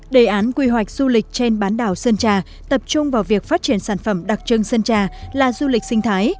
đề án quy hoạch du lịch trên bán đảo sơn trà tập trung vào việc phát triển sản phẩm đặc trưng sơn trà là du lịch sinh thái